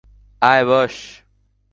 আয়, বস।